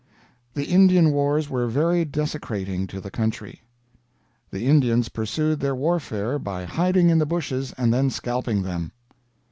"The Indian wars were very desecrating to the country. "The Indians pursued their warfare by hiding in the bushes and then scalping them.